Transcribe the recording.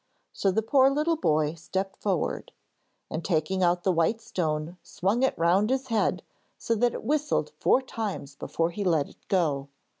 So the poor little boy stepped forward, and taking out the white stone swung it round his head so that it whistled four times before he let it go.